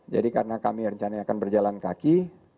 karena kami rencananya akan berjalan kaki